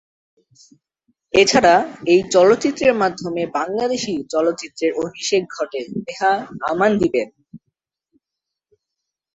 এছাড়া, এই চলচ্চিত্রের মাধ্যমে বাংলাদেশি চলচ্চিত্রে অভিষেক ঘটে নেহা আমানদীপের।